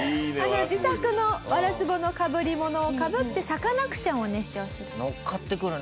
自作のワラスボのかぶりものをかぶってサカナクションを熱唱する。